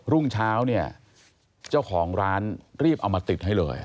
รุ่งเช้าเนี่ยเจ้าของร้านรีบเอามาติดให้เลย